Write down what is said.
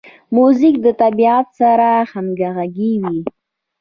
موزیک د طبیعت سره همغږی وي.